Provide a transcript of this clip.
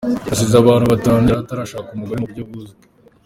Yasize abana batanu, yari atarashaka umugore mu buryo buzwi.